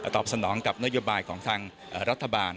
ตอบสนองกับนโยบายของทางรัฐบาล